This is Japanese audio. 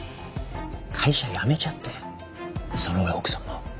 会社辞めちゃってその上奥さんが。